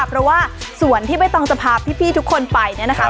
เพราะว่าสวนที่ไม่ต้องจะพาพี่พี่ทุกคนไปเนี้ยนะคะครับ